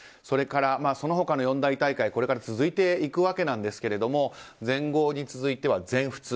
それから、その他の四大大会これから続いていくわけですが全豪に続いては、全仏。